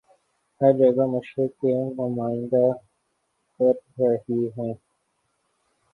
ہر جگہ مشرق کی نمائندہ کرہی ہیں